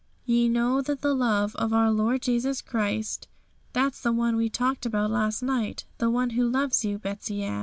'"Ye know the love of our Lord Jesus Christ, " that's the One we talked about last night, the One who loves you, Betsey Ann.